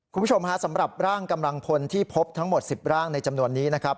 คุณผู้ชมฮะสำหรับร่างกำลังพลที่พบทั้งหมด๑๐ร่างในจำนวนนี้นะครับ